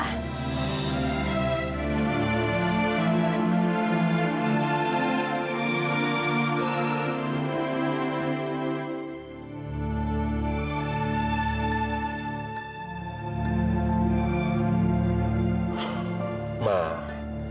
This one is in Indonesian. raja ter maker